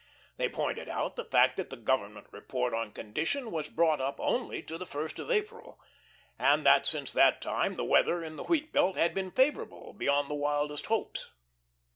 They pointed out the fact that the Government report on condition was brought up only to the first of April, and that since that time the weather in the wheat belt had been favorable beyond the wildest hopes.